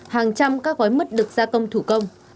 hàng trăm các gói mứt được gia công thủ công